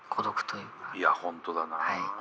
いや本当だな。